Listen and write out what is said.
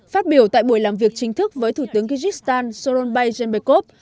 phát biểu tại buổi làm việc chính thức với thủ tướng kyrgyzstan soron bay zenbekov